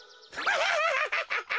ハハハハハハ！